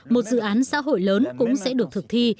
một dự án xã hội lớn cũng sẽ được thực thi